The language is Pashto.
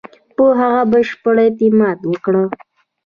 په هغه بشپړ اعتماد وکړ.